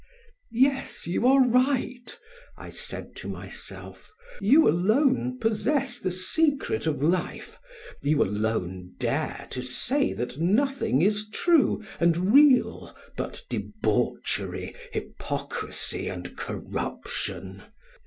"Yes, you are right," I said to myself, "you alone possess the secret of life, you alone dare to say that nothing is true and real but debauchery, hypocrisy and corruption.